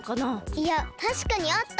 いやたしかにあった！